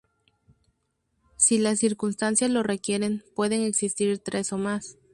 Si las circunstancias lo requieren, pueden existir tres o más.